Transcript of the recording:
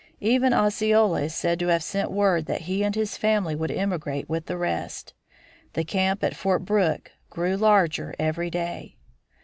Even Osceola is said to have sent word that he and his family would emigrate with the rest. The camp at Fort Brooke grew larger every day.